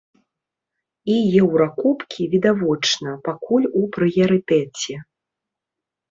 І еўракубкі, відавочна, пакуль у прыярытэце.